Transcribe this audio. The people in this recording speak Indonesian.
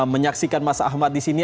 menyaksikan mas ahmad disini